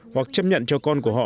hoặc chấp nhận cho con của họ